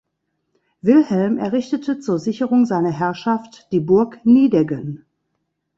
Wilhelm errichtete zur Sicherung seiner Herrschaft die Burg Nideggen.